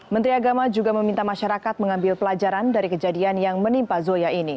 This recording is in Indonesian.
menteri agama juga meminta masyarakat mengambil pelajaran dari kejadian yang menimpa zoya ini